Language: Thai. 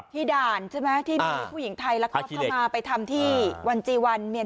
ด่านใช่ไหมที่มีผู้หญิงไทยลักลอบเข้ามาไปทำที่วันจีวันเมียน